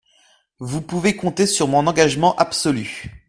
Vous pouvez compter sur mon engagement absolu.